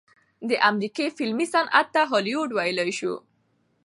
د امريکې فلمي صنعت ته هالي وډ وئيلے شي